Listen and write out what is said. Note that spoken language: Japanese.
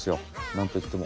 なんといっても。